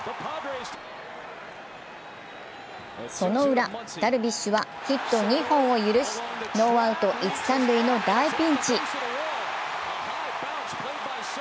そのウラ、ダルビッシュはヒット２本を許しノーアウト一・三塁の大ピンチ。